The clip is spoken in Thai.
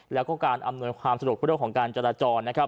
แล้วก็การอำนวยความสะดวกเพื่อเรื่องของการจรจร